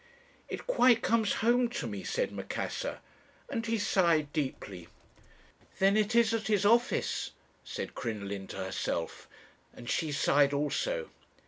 "'It quite comes home to me,' said Macassar, and he sighed deeply. "'Then it is at his office,' said Crinoline to herself; and she sighed also.